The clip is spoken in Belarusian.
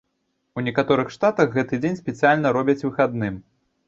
У некаторых штатах гэты дзень спецыяльна робяць выхадным.